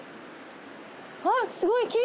あっすごい。